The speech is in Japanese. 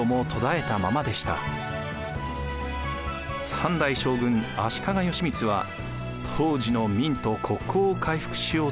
３代将軍足利義満は当時の明と国交を回復しようとします。